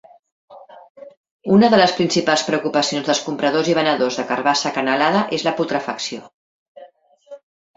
Una de les principals preocupacions dels compradors i venedors de carbassa acanalada és la putrefacció.